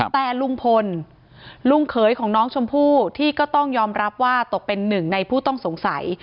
แต่ลุงพลลุงเขยของน้องชมพู่ที่ก็ต้องยอมรับว่าตกเป็นหนึ่งในผู้ต้องสงสัย